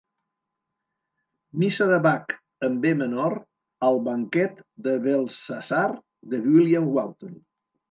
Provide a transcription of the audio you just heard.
Missa de Bach en B Menor al banquet de Belshazzar de William Walton.